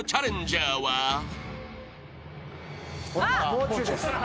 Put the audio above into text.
もう中です。